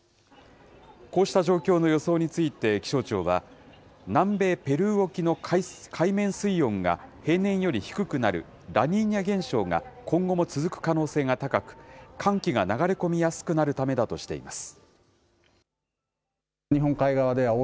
こうした状況の予想について、気象庁は、南米ペルー沖の海面水温が平年より低くなる、ラニーニャ現象が今後も続く可能性が高く、寒気が流れ込みやすくなるためだとしています。